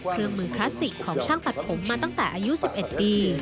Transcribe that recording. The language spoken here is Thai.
เครื่องมือคลาสสิกของช่างตัดผมมาตั้งแต่อายุ๑๑ปี